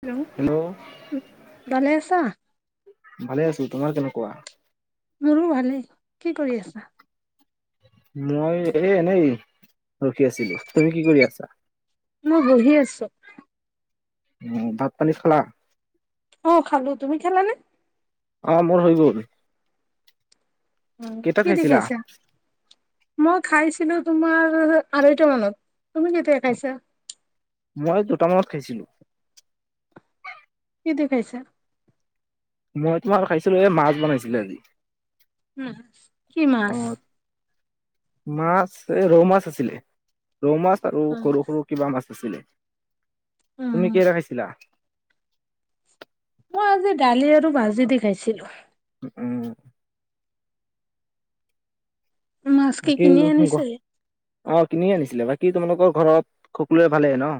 Hello hello ভালেই আছা? ভালে আছোঁ তোমাৰ কেনেকুৱা? মোৰো ভালেই কি কৰি আছা? মই এ এনেই ৰখি আছিলোঁ, তুমি কি কৰি আছা? মই বহি আছোঁ। উ ভাত পানী খালা? অ খালোঁ, তুমি খালানে! অ মোৰ হৈ গ'ল। উ কেইটাত কি দি খাইছিলা খাইছা মই খাইছিলোঁ তোমাৰ আঢ়ৈটা মানত। তুমি কেতিয়া খাইছা? মই দুটা মানত খাইছিলোঁ। কি দি খাইছা? মই তোমাৰ খাইছিলো এ মাছ বনাইছিলে আজি উ কি অ মাছ মাছ এ ৰৌ মাছ আছিলে ৰৌ মাছ আৰু সৰু সৰু কিবা মাছ আছিলে উম, তুমি কিহেৰে খাইছিলা মই আজি দালি আৰু ভাজি দি খাইছিলোঁ। উম। মাছ কি বাকী কিনি আনিছে? অ কিনি আনিছিলে বাকী তোমালোকৰ ঘৰত সকলোৱে ভালেহে ন?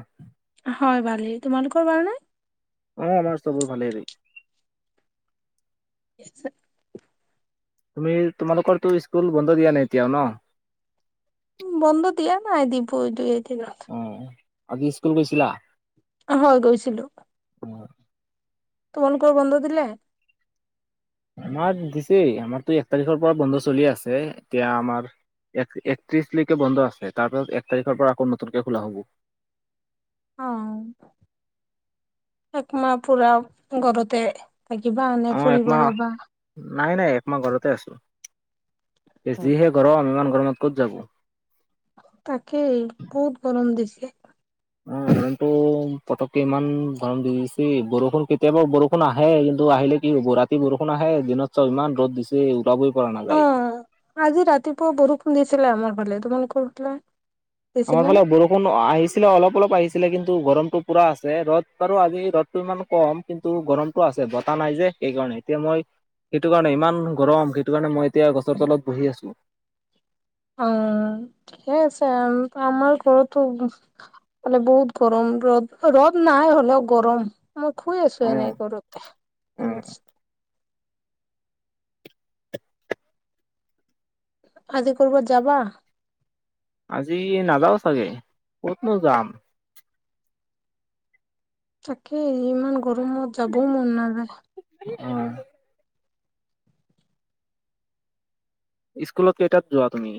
হয় ভালেই তোমালোকৰ ভাল নে? অ আমাৰ চবৰ ভালেই ইচে তুমি তোমালোকৰতো স্কুল বন্ধ দিয়া নাই এতিয়াও ন উম বন্ধ দিয়া নাই দিব দুই এদিনত অ আজি স্কুল গৈছিলা হয় গৈছিলো অ তোমালোকৰ বন্ধ দিলে আমাৰ দিছেই আমাৰতো এক তাৰিখৰ পৰা বন্ধ চলি আছে এতিয়া আমাৰ এক একত্ৰিশলৈকে বন্ধ আছে তাৰপিছত এক তাৰিখৰ পৰা আকৌ নতুনকে খোলা হ'ব অ একমাহ পুৰা ঘৰতে থাকিবা নে অ ফুৰিব একমাহ যাবা নাই নাই একমাহ ঘৰতে আছো যিহে গৰম ইমান গৰমত ক'ত যাব তাকে বহুত গৰম দিছে অ যোনটো পতককে ইমান গৰম দি দিছে বৰষুণ কেতিয়াবা বৰষুণ আহে কিন্তু আহিলে কি হ'ব ৰাতি ৰাতি বৰষুণ আহে দিনত চব ইমান ৰ'দ দিছে উলাবই কৰোণা অ বাই আজি ৰাতিপুৱা বৰষুণ দিছিলে আমাৰ ফালে তোমাৰলোকৰ ফালে আমাৰ দিছিলে ফালে নে বৰষুণ আহিছিলে অলপ অলপ আহিছিলে কিন্তু গৰমতো পুৰা আছে ৰ'দ বাৰু আজি ৰদ টো ইমান কম কিন্তু গৰমটো আছে বতাহ নাই যে সেইকাৰণে এতিয়া মই সেইটো কাৰণে ইমান গৰম সেইটো কাৰণে মই এতিয়া গছৰ তলত বহি আছো উম ঠিকে আছে আৰু আমাৰ ঘৰতো মানে বহুত গৰম ৰ'দ ৰ'দ নাই হ'লেও গৰম মই শুই আছো অ এনেই ঘৰতে অ আজি কৰবাত যাবা আজি নাযাও চাগে কতনো যাম তাকে ইমান গৰমত যাবও মন নাযায় উম স্কুলত কেইটাত যোৱা তুমি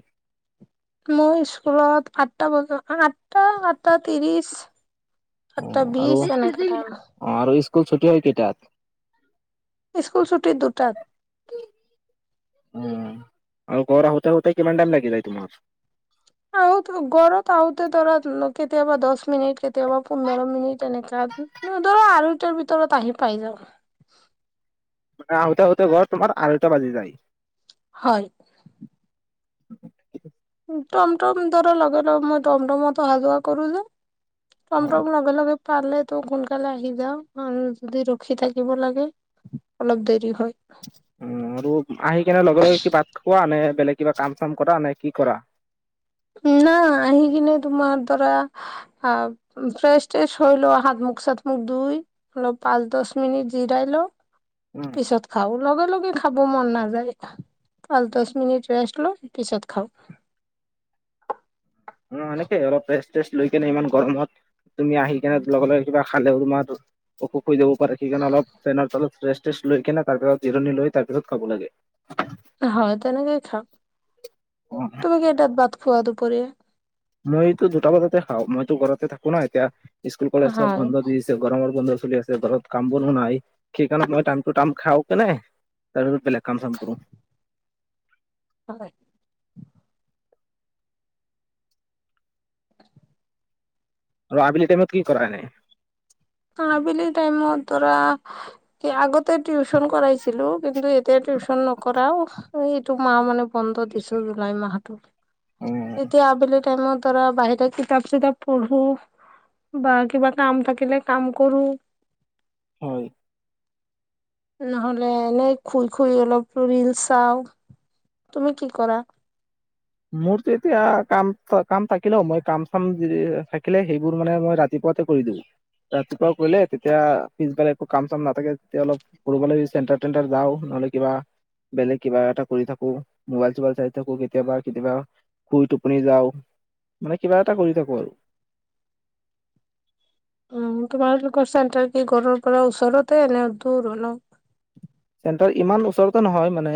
মই স্কুলত আঠটা বজাত আঠটা আঠটা ত্ৰিশ অ সাততা আৰু বিশ এনেকে ধৰ অ আৰু স্কুল ছুটী হয় কেইটাত স্কুল ছুটী দুটাত উম আও ঘৰত আহোতে আহোতে কিমান টাইম লাগি যায় তোমাৰ আহোতে ঘৰত আহোতে ধৰা কেতিয়াবা দহ মিনিট কে কতিয়াবা পোন্ধৰ মিনিট এনেকা ধৰা আঢ়ৈটাৰ ভিতৰত আহি পাই যাও মানে আহোতে আহোতে ঘৰত তোমাৰ আঢ়ৈটা বাজি যায় হয় [unintelligible] টমটম ধৰা লাগে ন মই টমটমতো অহাযোৱা কৰো যে টম টম লগে লগে পালেতো সোনকালে আহি যাওঁ যদি ৰখি থাকিব লাগে অলপ দেৰি হয় উ আৰু আহি কিনে লগে লগে কিবা খোৱা নে বেলেগ কিবা কাম চাম কৰা নে কি কৰা না আহি কিনে তোমাৰ ধৰা আহ ফ্ৰেছ-ট্ৰেছ হৈ লৈ হাতমুখ চাতমুখ ধুই। অলপ পাঁচ দশ মিনিট জিৰাই লওঁ। উম পিছত খাও লগে লগে খাব মন নাযায় পাঁচ দশ মিনিট ৰেষ্ট লওঁ পিছত খাওঁ। অ অ অ, এনেকে অলপ ৰেষ্ট-টেষ্ট লৈ কেনে ইমান গৰমত তুমি আহি কেনে লগে লগে কিবা খালেও তোমাৰ অসুখ হৈ যাব পাৰে সেইকাৰণে অলপ ফেনৰ তলত ৰেষ্ট-টেষ্ট লৈ কিনে তাৰপিছত জিৰণি লৈ তাৰ পিছত খাব লাগে। হয় তেনেকেই খাওক অ', তুমি কেইটাত ভাত খোৱা দুপৰীয়া। মইতো দুটা বজাতে খাও মইতো ঘৰতে থাকো না এতিয়া স্কুল-কলেজ চব হয় বন্ধ দিছে গৰমৰ বন্ধ চলি আছে ঘৰত কাম-বনও নাই সেইকাৰণে মই টাইমটো টাইম খাওঁ কেনে। আৰু বেলেগ কাম-চাম কৰো। ভাল দে। আৰু আবেলিৰ টাইমত কি কৰা এনেই। আবেলি টাইমত ধৰা আহ্ আগতে টিউচন কৰাইছি ছিলো কিন্তু এতিয়া টিউচন নকৰাও এইটো মাহ মানে বন্ধ দিছো জুলাই মাহটো। উম, এতিয়া আবেলিত টাইমত ধৰা বাহিৰা কিতাপ-চিতাপ পঢ়ো বা কিবা কাম থাকিলে কাম কৰো। হয়। নহলে এনেই শুই শুই অলপ ৰিলস চাও। তুমি কি কৰা? মোৰতো এতিয়া কাম ফ কাম থাকিলেও মই কাম-চাম যদি থাকিলে সেইবোৰ মানে মই ৰা ৰাতিপুৱাতে কৰি দিওঁ ৰাতিপুৱা কৰিলে তেতিয়া পিছবাৰে একো কাম-চাম নাথাকে তেতিয়া অলপ ফুৰিবলৈ চেণ্টাৰ-টেণ্টাৰ যাওঁ নহ'লে কিবা। বেলেগ কিবা এটা কৰি থাকো মোবাইল-চোবাইল চাই থাকো কেতিয়াবা। কেতিয়াবা শুই টোপনি যাওঁ মানে কিবা এটা কৰি থাকো আৰু উম তোমালোকৰ চেণ্টাৰ কি ঘৰৰ পৰা ওচৰতে এনে দূৰ অলপ। চেণ্টাৰ ইমান ওচৰতে নহয় মানে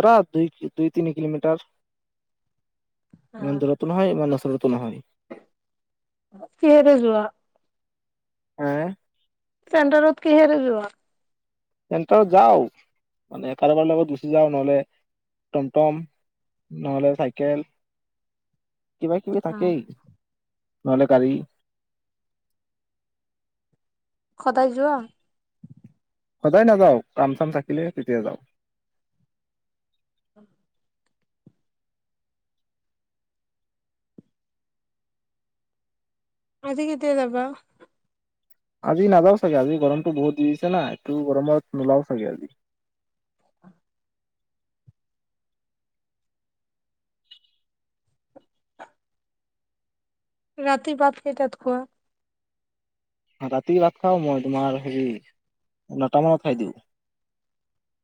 ধৰা দুই, দুই-তিনি কিলোমিটাৰ। [inaudible] ইমান দূৰতো নহয় ইমান ওচৰতো নহয়। কিহেৰে যোৱা এ এ চেণ্টাৰত কিহেৰে যোৱা? চেণ্টাৰত যাও মানে এ কাৰোবাৰ লগত গুচি যাও নহলে টমটম। নহ'লে চাইকেল কিবা কিবি থাকেই নহ'লে গাড়ী। সদায় যোৱা। সদায় নাযাও কাম-চাম থাকিলে তেতিয়া যাওঁ। উম হু। আজি কেতিয়া যাবা? আজি নাযাও চাগে আজি গৰমটো বহুত দি দিছে না এইটো গৰমত নোলাও চাগে আজি। ৰাতি ভাত কেইটাত খোৱা? ৰাতি ভাত খাও মই তোমাৰ হেৰি নটা মানত খাই দিওঁ।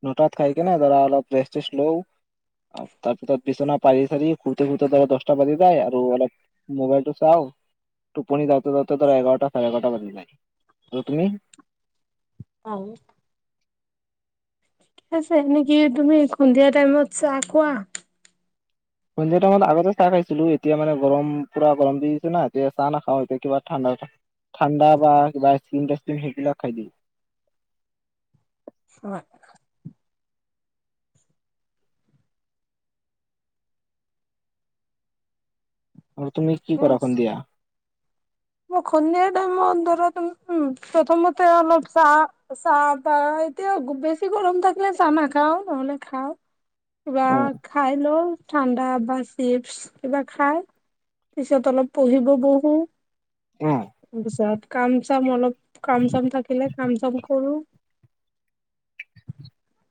নটাত খাই কেনে ধৰা অলপ ৰেষ্ট-টেষ্ট লও। তাৰপিছত বিচনা পাৰি-চাৰি শুৱতে শুৱতে ধৰা দশটা বাজি যায় আৰু অলপ মোবাইলটো চাওঁ টোপনি যাওঁতে যাওঁতে ধৰা এঘাৰটা সাৰে এঘাৰটা তাৰমানে নাই আৰু তুমি। অ উঠ। আছে নেকি। তুমি সন্ধিয়া টাইমত চাহ খোৱা। সন্ধিয়া টাইমত আগতে চাহ খাইছিলো এতিয়া মানে গৰম পুৰা গৰম দিছে না, এতিয়া চাহ নাখাওঁ এতিয়া কিবা ঠাণ্ডা ঠাণ্ডা বা কিবা স্ত্ৰিং টেস্ত্ৰিং সেইবিলাক খাই দিওঁ। হয়। আৰু তুমি কি কৰা সন্ধিয়া? মই সন্ধিয়া টাইমত ধৰা উ উ, প্ৰথমতে অলপ চাহ চাহ পাই এতিয়া গুব বেছি গৰম থাকিলে চাহ নাখাওঁ নহলে খাওঁ। কিবা অ খাই লওঁ ঠাণ্ডা বাছ। চিপচ কিবা খাই পিছত অলপ পঢ়িব বহোঁ। অঁ অ। তাৰপিছত কাম চাম অলপ কাম চাম থাকিলে কাম চাম কৰোঁ।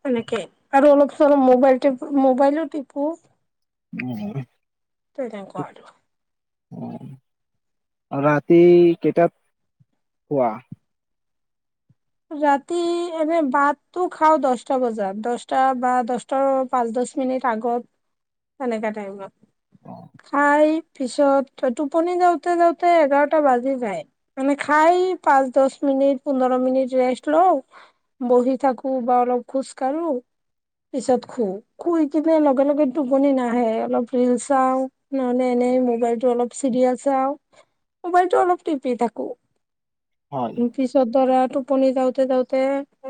সেনেকে আৰু অলপ চলপ মোবাইল টিপ মোবাইলো টিপো [unintelligible] তেনেকুৱা আৰু অহ, ৰাতি কেইটাত শুৱা? ৰাতি এনে ভাতটো খাওঁ দছটা বজাত। দছটা বা দছ পাঁচ দছ মিনিট আগত, তেনেকা টাইমত। অ খাই পিছত, টোপনি যাওঁতে যাওঁতে এঘাৰটা বাজি যায়। মানে খাই পাঁচ দহ মিনিট, পোন্ধৰ মিনিট ৰেষ্ট লওঁ। বহি থাকো বা অলপ খোজ কাঢ়োঁ। পিছত শুওঁ, শুই কিনে লগে লগে টোপনি নাহে, অলপ ৰিল চাওঁ। নহলে এনেই মোবাইলটো অলপ চিৰিয়েল চাওঁ। মোবাইলটো অলপ টিপি থাকোঁ। হয়। পিছত ধৰা টোপনি যাওঁতে যাওঁতে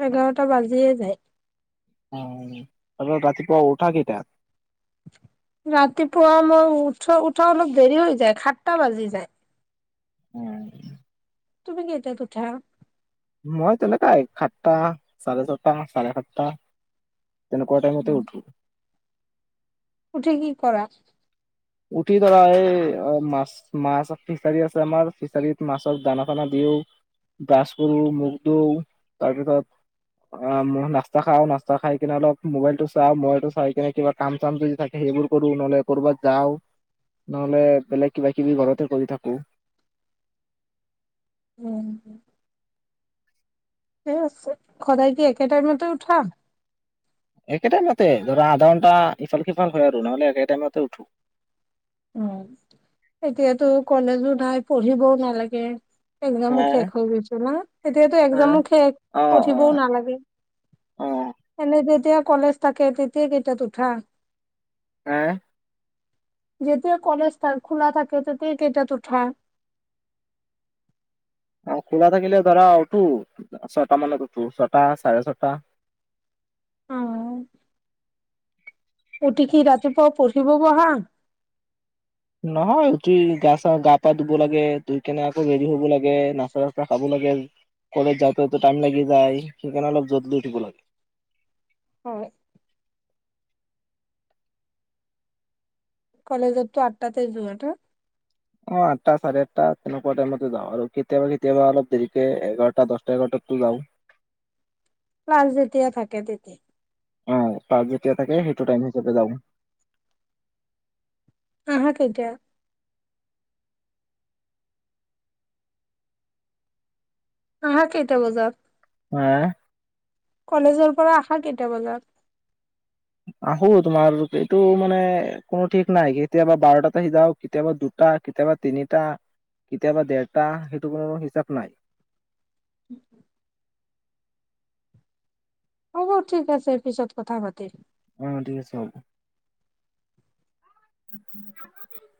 এঘাৰটা বাজিয়ে যায়। অহ, তাৰপাছত ৰাতিপুৱা উঠা কেইটাত? ৰাতিপুৱা মই উঠো, উঠা অলপ দেৰি হৈ যায়, সাতটা বাজি যায়। উম। তুমি কেইটাত উঠা? মই তেনেকাই। সাতটা, চাৰে ছটা, চাৰে সাতটা। তেনেকোৱা টাইমতে উঠো। উঠি কি কৰা? উঠি ধৰা এই, মাছ মাছ, ফিচাৰী আছে আমাৰ, ফিচাৰীত মাছৰ দানা খানা দিওঁ। ব্ৰাছ কৰোঁ, মুখ ধোওঁ, তাৰপিছত অ মই নাস্তা খাওঁ, নাস্তা খাই কিনে অলপ মোবাইলটো চাওঁ। মোবাইলটো চাই কিনে কিবা কাম চাম যদি থাকে সেইবোৰ কৰোঁ, নহলে কৰবাত যাওঁ, নহলে বেলেগ কিবা কিবি ঘৰতে কৰি থাকোঁ। উম। এই আছে, সদায় কি একে টাইমতে উঠা? একে টাইমতে। ধৰা আধা ঘণ্টা ইফাল সিফাল হয় আৰু নহলে একে টাইমতে উঠো। অহ, এতিয়াতো কলেজো নাই, পঢ়িবও নালাগে। একজামো হা শেষ হৈ গৈছে না, এতিয়াতো হা একজামো শেষ। অ অ পঢ়িবও নালাগে। অ এনে যেতিয়া কলেজ থাকে, তেতিয়া কেইটাত উঠা? হে? যেতিয়া কলেজ থা খোলা থাকে, তেতিয়া কেইটাত উঠা? অ খোলা থাকিলে ধৰা উঠো, ছয়টা মানত উঠো। ছটা, চাৰে ছটা অ, উঠি কি ৰাতিপুৱা পঢ়িব বহা? নহয় উঠি, গা চা, গা পা ধুব লাগে, ধুই কেনে আকৌ ৰেদি হব লাগে। নাচতা চাচতা খাব লাগে। কলেজ যাওঁতে টাইম লাগি যায়। সেইকাৰনে অলপ জল্দি উঠিব লাগে। হয়। কলেজতটো আঠটাতে যোৱা নহ অ আঠটা চাৰে আঠটা তেনেকুৱা টাইমতে যাও আৰু কেতিয়াবা কেতিয়াবা অলপ দেৰিকে এঘাৰটা দহটা এঘাৰটাতো যাওঁ। ক্লাছ যেতিয়া থাকে তেতিয়া অ পাক যেতিয়া থাকে সেইটো টাইম হিচাপে যাওঁ। আহা কেইটাত? আহা কেইটা বজাত? হা কলেজৰ পৰা আহা কেইটা বজাত? আহো তোমাৰ, এইটো মানে কোনো ঠিক নাই। কেতিয়াবা বাৰটাত আহি যাওঁ, কেতিয়াবা দুটা টা কেতিয়াবা তিনিটা, কেতিয়াবা দেৰটা, সেইটো কোনো হিচাপ নাই। [unintelligible] হ'ব ঠিক আছে, পিছত কথা পাতিম। অ ঠিক আছে, হব। [unintelligible]